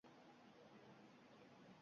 Men senga velosiped olib berishdan uyalaman.